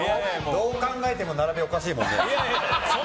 どう考えても並びがおかしいもんね。